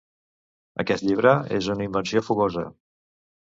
aquest llibre és una invenció fogosa